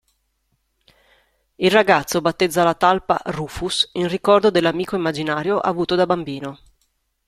Il ragazzo battezza la talpa "Rufus" in ricordo dell'amico immaginario avuto da bambino.